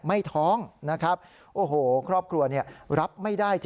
ท้องนะครับโอ้โหครอบครัวเนี่ยรับไม่ได้จริง